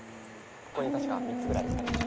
ここに確か３つぐらいあるでしょ。